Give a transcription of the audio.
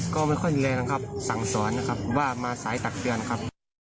ก็ไม่ค่อยมีแรงนะครับสั่งสอนนะครับว่ามาสายตักเตือนครับ